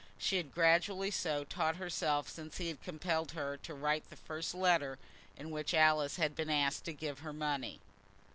She had gradually so taught herself since he had compelled her to write the first letter in which Alice had been asked to give her money.